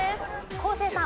昴生さん。